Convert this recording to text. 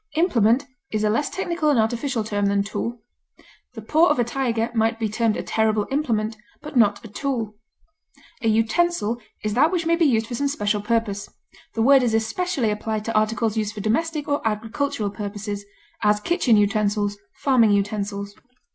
Implement is a less technical and artificial term than tool. The paw of a tiger might be termed a terrible implement, but not a tool. A utensil is that which may be used for some special purpose; the word is especially applied to articles used for domestic or agricultural purposes; as, kitchen utensils; farming utensils.